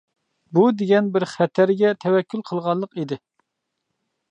بۇ دېگەن بىر خەتەرگە تەۋەككۈل قىلغانلىق ئىدى.